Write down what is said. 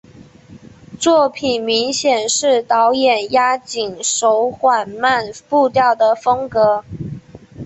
作品明显是导演押井守缓慢步调的风格。